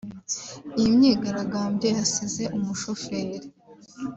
Iyi myigaragambyo yasize umushoferi